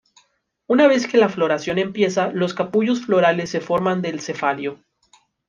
Una vez que la floración empieza los capullos florales se formarán del cefalio.